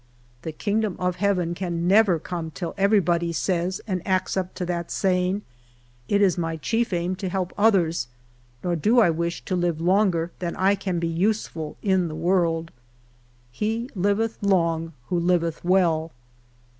The kingdom of heaven can never come till everybody says, and acts up to that saying, "It is my chief aim to help others, nor do I wish to live HALF A DIME A DAY. 1 5 loiu^er than I can be useful in the world." '' He liveth Ions: who liveth well.'